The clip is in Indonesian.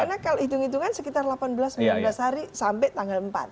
karena kalau hitung hitungan sekitar delapan belas sembilan belas hari sampai tanggal empat